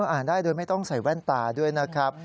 อ่านได้โดยไม่ต้องใส่แว่นตาด้วยนะครับ